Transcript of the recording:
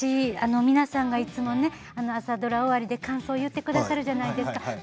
皆さんがいつも朝ドラ終わりで感想を言ってくださるじゃないですか。